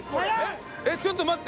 ちょっと待って。